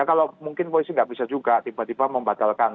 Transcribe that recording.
kalau mungkin polisi nggak bisa juga tiba tiba membatalkan